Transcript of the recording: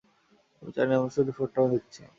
আমরা চাইনি, আমরা শুধু ফোরটাউন দেখতে চেয়েছিলাম।